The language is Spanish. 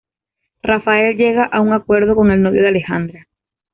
Rafael llega a un acuerdo con el novio de Alejandra.